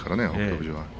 富士は。